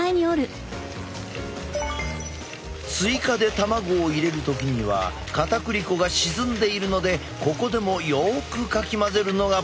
追加で卵を入れる時にはかたくり粉が沈んでいるのでここでもよくかき混ぜるのがポイントだ。